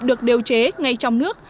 được điều chế ngay trong nước